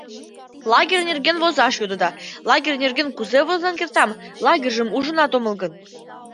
Лагерь нерген возаш йодыда, лагерь нерген кузе возен кертам, лагерьжым ужынат омыл гын?